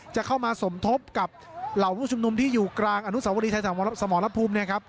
จะเข้ามาสมทบกับเหล่าผู้ชุมนุมที่อยู่กลางอนุสาวรีไทยสมรภูมิเนี่ยครับ